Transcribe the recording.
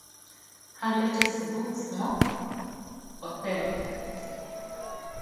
Her latest book Smoke Othello!